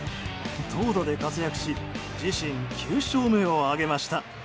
投打で活躍し自身９勝目を挙げました。